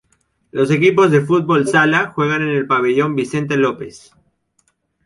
Los equipos de fútbol sala juegan en el Pabellón Vicente López.